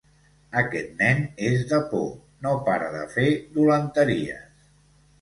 Aquest nen és de por; no para de fer dolenteries.